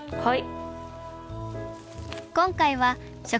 はい。